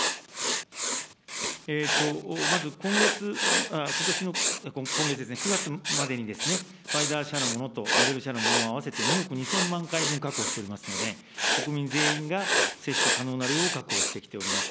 まず、今月、今月ですね、９月までにファイザー社のものとモデルナ社のものを合わせて２億２０００万回分、確保しておりますので、国民全員が接種可能な量を確保してきております。